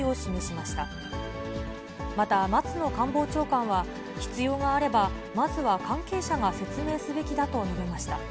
また、松野官房長官は、必要があれば、まずは関係者が説明すべきだと述べました。